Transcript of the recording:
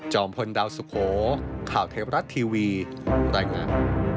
จอมพลดาวสุโขข่าวเทปรัสทีวีแรงงาน